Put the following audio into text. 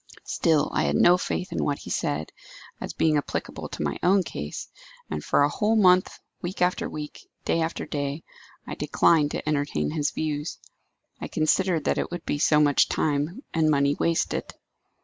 Still, I had no faith in what he said, as being applicable to my own case; and for a whole month, week after week, day after day, I declined to entertain his views. I considered that it would be so much time and money wasted."